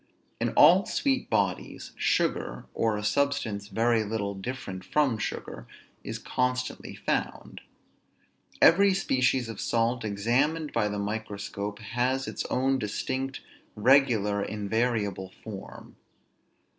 In all sweet bodies, sugar, or a substance very little different from sugar, is constantly found. Every species of salt, examined by the microscope, has its own distinct, regular, invariable form.